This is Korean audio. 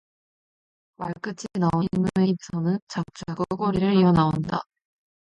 말끝이 나온 인우의 입에서는 자꾸자꾸 꼬리를 이어 나온다.